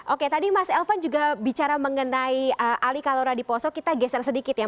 oke tadi mas elvan juga bicara mengenai ali kalora di poso kita geser sedikit ya